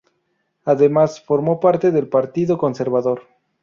Además, formó parte del Partido Conservador.